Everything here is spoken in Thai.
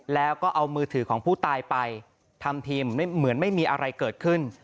แล้วก็เอามือถือของผู้ตายไปทำทีเหมือนไม่มีอะไรเกิดขึ้น